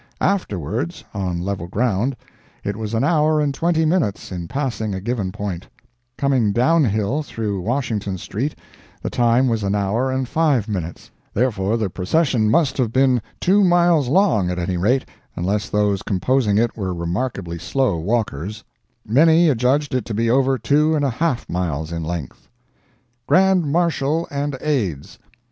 Afterwards (on level ground) it was an hour and twenty minutes in passing a given point; coming down hill, through Washington street, the time was an hour and five minutes; therefore the Procession must have been two miles long at any rate, unless those composing it were remarkably slow walkers; many adjudged it to be over two and a half miles in length. GRAND MARSHAL AND AIDS.